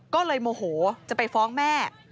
ก็เลยโมโหจะไปฟ้องแม่